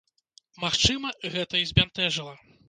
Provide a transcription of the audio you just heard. Магчыма, гэта і збянтэжыла.